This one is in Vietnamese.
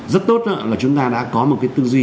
rất tốt là chúng ta đã có một cái tư duy